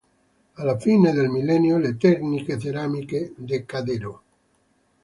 Alla fine del millennio le tecniche ceramiche decaddero.